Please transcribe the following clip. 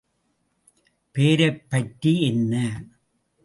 பெயரைப் பற்றி என்ன?